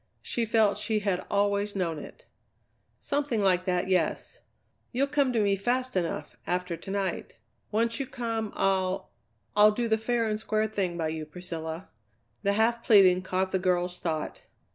She felt she had always known it. "Something like that, yes. You'll come to me fast enough, after to night. Once you come I'll I'll do the fair and square thing by you, Priscilla." The half pleading caught the girl's thought.